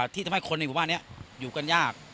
ที่ทำให้คนในหมู่บ้านนี้อยู่กันยาก